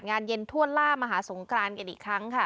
งานเย็นทั่วล่ามหาสงครานกันอีกครั้งค่ะ